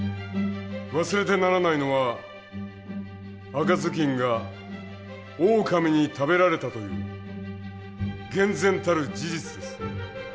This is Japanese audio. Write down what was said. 忘れてならないのは赤ずきんがオオカミに食べられたという厳然たる事実です。